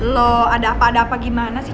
lo ada apa ada apa gimana sih